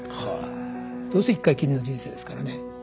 どうせ一回きりの人生ですからね。